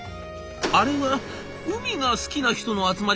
あれは海が好きな人の集まりかな？